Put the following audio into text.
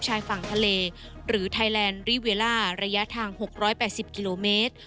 จากแผนรีเวลาระยะทาง๖๘๐กิโลเมตร